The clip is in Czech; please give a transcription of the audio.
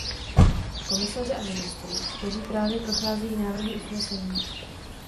Komisaře a ministry, kteří právě procházejí návrhy usnesení.